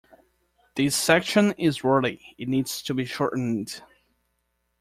This section is wordy, it needs to be shortened.